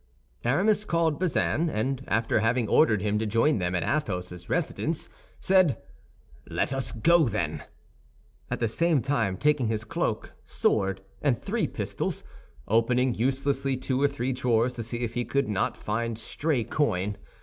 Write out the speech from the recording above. Aramis called Bazin, and, after having ordered him to join them at Athos's residence, said "Let us go then," at the same time taking his cloak, sword, and three pistols, opening uselessly two or three drawers to see if he could not find stray coin.